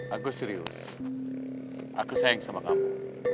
agus serius aku sayang sama kamu